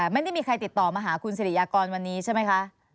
ไม่ได้มีใครติดต่อมาหาคุณสิริยากรวันนี้ใช่ไหมคะ